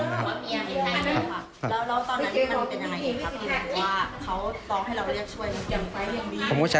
แล้วตอนนั้นมันเป็นยังไงครับ